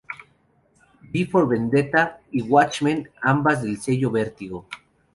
V for Vendetta y Watchmen, ambas del sello Vertigo.